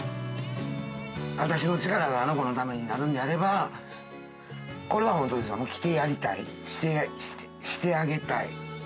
私の力があの子のためになるんであれば、これは本当ですよ、してあげたい、してあげたい。